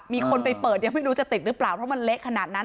มีคนไปเปิดยังไม่รู้จะติดหรือเปล่าเพราะมันเละขนาดนั้น